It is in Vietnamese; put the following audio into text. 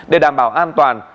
để đảm bảo an toàn